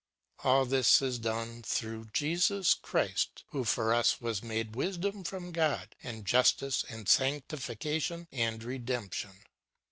All this is done throu<┬½:h Jesus Christ, " who for us was made wisdom from God and justice and sanctifieation and redemption."